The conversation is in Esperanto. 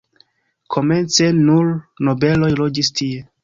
Komence nur nobeloj loĝis tie.